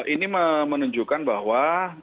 ini menunjukkan bahwa